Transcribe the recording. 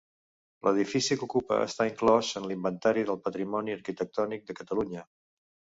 L'edifici que ocupa està inclòs en l'Inventari del Patrimoni Arquitectònic de Catalunya.